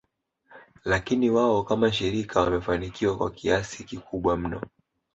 Lakini wao kama shirika wamefanikiwa kwa kiasi kikubwa mno